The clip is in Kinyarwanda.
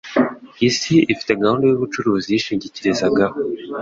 Isi ifite gahunda y'ubucuruzi yishingikirizagaho